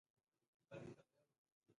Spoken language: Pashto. ياري خو تا کړه، ما خو نه کړه